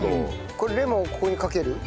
これレモンをここにかける？